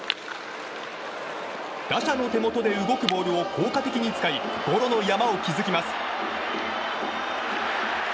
打者の手元で動くボールを効果的に使いゴロの山を築きます。